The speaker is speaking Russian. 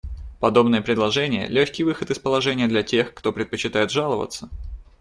Подобное предложение — легкий выход из положения для тех, кто предпочитает жаловаться.